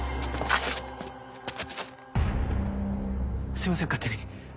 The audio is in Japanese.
すいません勝手に。